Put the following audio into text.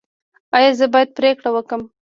ایا زه باید پریکړه وکړم؟